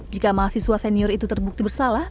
jika mahasiswa senior itu terbukti bersalah